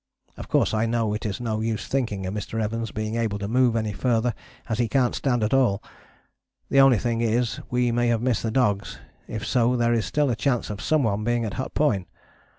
Of course I know it is no use thinking of Mr. Evans being able to move any further as he cant stand at all, the only thing is, we may have missed the dogs, if so there is still a chance of someone being at Hut Point.